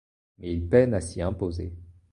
Mais il peine à s'y imposer.